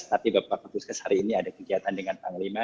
tapi bapak kapuskes hari ini ada kegiatan dengan panglima